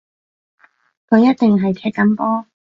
佢一定係踢緊波